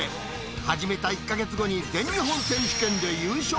始めた１か月後に全日本選手権で優勝。